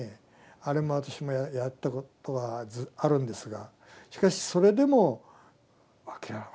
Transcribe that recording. あれも私もやったことはあるんですがしかしそれでも訳が分からない。